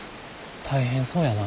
大変そうやな。